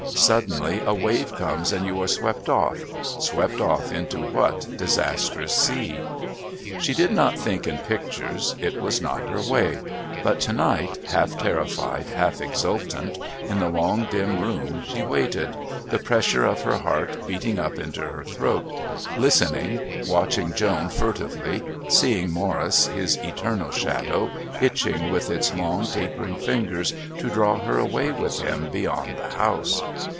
Suddenly a wave comes and you are swept off swept off into what disastrous sea? She did not think in pictures, it was not her way, but to night, half terrified, half exultant, in the long dim room she waited, the pressure of her heart beating up into her throat, listening, watching Joan furtively, seeing Morris, his eternal shadow, itching with its long tapering fingers to draw her away with him beyond the house.